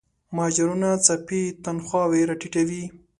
مهاجرانو څپې تنخواوې راټیټوي.